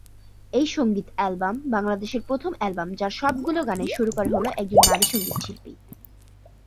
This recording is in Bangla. এই সঙ্গীত এলবাম বাংলাদেশের প্রথম এলবাম যার সবগুলো গানের সুরকার হল একজন নারী সঙ্গীত শিল্পী।